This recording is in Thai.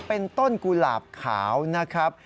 เป็นต้นกุหลาบขาวนะครับ